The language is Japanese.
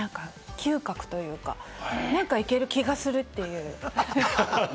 嗅覚というか、なんかいける気がするって。